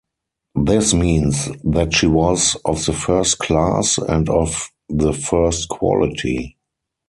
This means that she was 'of the First Class' and 'of the First Quality'.